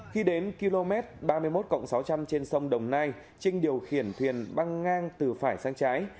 khi đến km ba mươi một sáu trăm linh trên sông đồng nai trinh điều khiển thuyền băng ngang từ phải sang trái